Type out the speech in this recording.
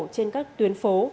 trên các tuyến phố